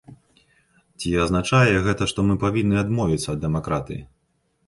Ці азначае гэта, што мы павінны адмовіцца ад дэмакратыі?